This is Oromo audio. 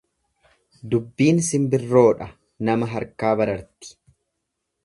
Dubbiin simbirroodha nama harkaa bararti.